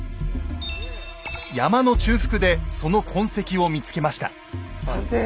山の中腹でその痕跡を見つけました。